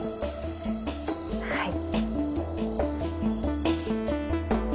はい。